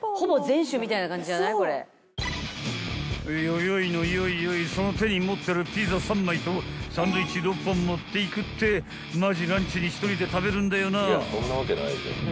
［よよいのよいよいその手に持ってるピザ３枚とサンドイッチ６本持っていくってマジランチに一人で食べるんだよな？］